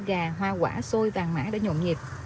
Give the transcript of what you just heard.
gà hoa quả xôi vàng mã đã nhộn nhịp